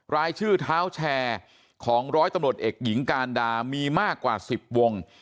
รายชื่อเท้าแชร์ของร้อยตำรวจเอกหญิงการดามีมากกว่า๑๐วง